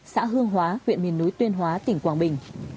xã hương hóa huyện miền núi tuyên hóa tỉnh quảng bình